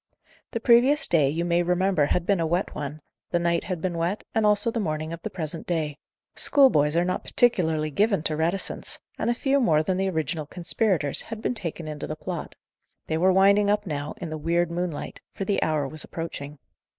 The previous day, you may remember, had been a wet one, the night had been wet, and also the morning of the present day. Schoolboys are not particularly given to reticence, and a few more than the original conspirators had been taken into the plot. They were winding up now, in the weird moonlight, for the hour was approaching.